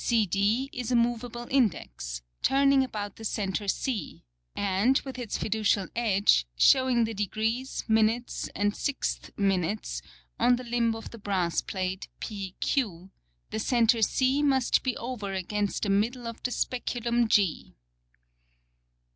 CD, is a moveable Index, turning about the Centre C, and, with its fiducial Edge, shewing the Degrees, Minutes, and 16 Minutes, on the Limb of the Brass Plate P Q; the Centre C, must be over against the Middle of the Speculum G.